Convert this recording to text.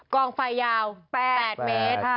กองไฟยาว๘เมตร